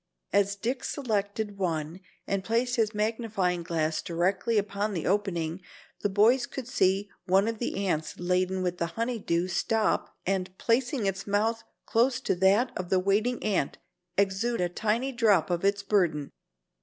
As Dick selected one and placed his magnifying glass directly upon the opening, the boys could see one of the ants laden with the honey dew stop and, placing its mouth close to that of the waiting ant, exude a tiny drop of its burden.